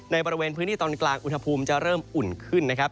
บริเวณพื้นที่ตอนกลางอุณหภูมิจะเริ่มอุ่นขึ้นนะครับ